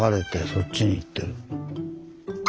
そっちに行ってる。